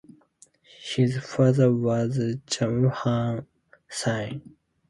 His father was Jagmohan Singh.